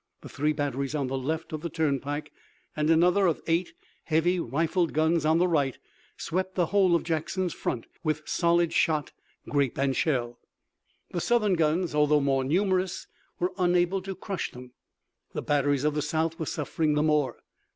The three batteries on the left of the turnpike and another of eight heavy rifled guns on the right, swept the whole of Jackson's front with solid shot, grape and shell. The Southern guns, although more numerous, were unable to crush them. The batteries of the South were suffering the more.